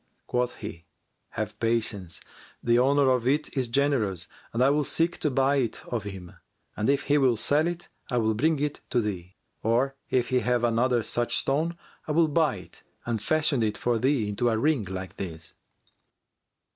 Quoth he, "Have patience! The owner of it is generous, and I will seek to buy it of him, and if he will sell it, I will bring it to thee. Or if he have another such stone, I will buy it and fashion it for thee into a ring like this."